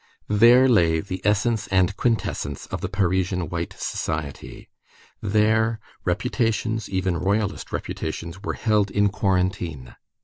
There lay the essence and quintessence of the Parisian white society. There reputations, even Royalist reputations, were held in quarantine.